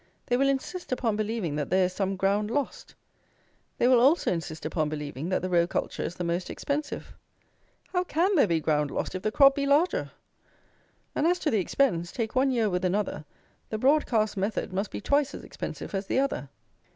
They will insist upon believing that there is some ground lost. They will also insist upon believing that the row culture is the most expensive. How can there be ground lost if the crop be larger? And as to the expense, take one year with another, the broad cast method must be twice as expensive as the other.